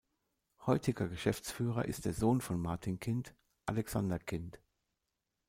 Heutiger Geschäftsführer ist der Sohn von Martin Kind, Alexander Kind.